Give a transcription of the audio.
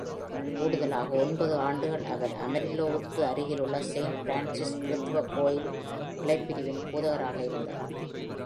கூடுதலாக, ஒன்பது ஆண்டுகள் அவர் அமரில்லோவுக்கு அருகிலுள்ள செயிண்ட் பிரான்சிஸ் கிருத்துவ கோயில் கிளைப்பிரிவின் போதகராக இருந்தார்.